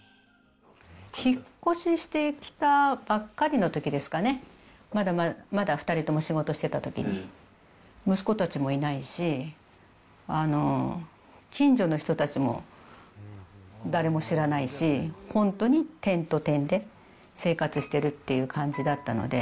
引っ越ししてきたばっかりのときですかね、まだ２人とも仕事してたときに、息子たちもいないし、近所の人たちも誰も知らないし、本当に点と点で生活してるっていう感じだったので。